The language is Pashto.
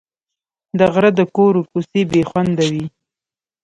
د غره د کورو کوڅې بې خونده وې.